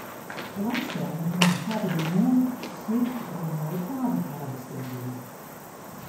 Belangstellenden koene saterdeitemoarn sjen oft der in moaie kavel foar har beskikber wie.